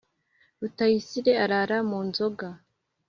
rutayisire arara munzoga